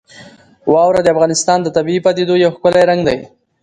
واوره د افغانستان د طبیعي پدیدو یو ښکلی رنګ دی.